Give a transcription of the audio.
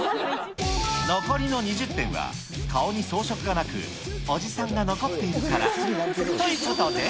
残りの２０点は、顔に装飾がなく、おじさんが残っているから、ということで。